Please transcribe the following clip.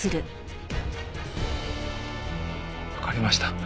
わかりました。